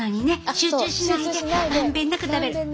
集中しないでまんべんなく食べる。